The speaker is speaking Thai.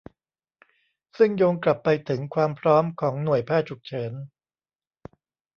ซึ่งโยงกลับไปถึงความพร้อมของหน่วยแพทย์ฉุกเฉิน